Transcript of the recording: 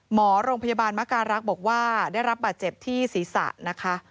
หมอโรงพยาบาลมการรักษ์บอกว่าได้รับบาดเจ็บที่ศีรษะนะคะ